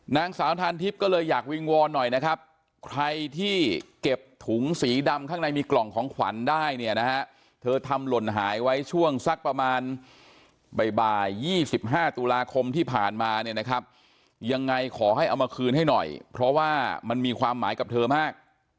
นางสาวทานทิพย์ก็เลยอยากวิงวอนหน่อยนะครับใครที่เก็บถุงสีดำข้างในมีกล่องของขวัญได้เนี่ยนะฮะเธอทำหล่นหายไว้ช่วงสักประมาณบ่าย๒๕ตุลาคมที่ผ่านมาเนี่ยนะครับยังไงขอให้เอามาคืนให้หน่อยเพราะว่ามันมีความหมายกับเธอมาก